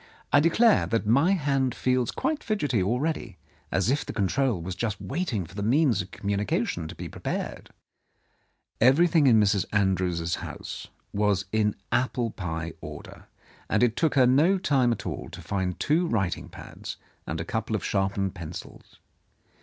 I declare that my hand feels quite fidgety already, as if the control was just waiting for the means of communication to be prepared." Everything in Mrs. Andrews's house was in apple pie order, and it took her no time at all to find two writing pads and a couple of sharpened pencils.